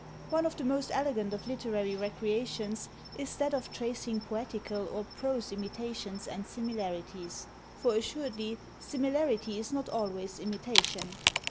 One of the most elegant of literary recreations is that of tracing poetical or prose imitations and similarities; for assuredly, similarity is not always imitation.